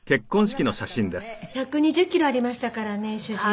１２０キロありましたからね主人は。